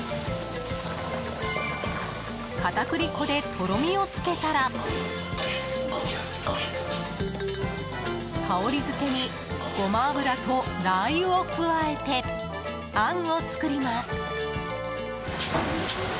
片栗粉でとろみをつけたら香り付けにゴマ油とラー油を加えてあんを作ります。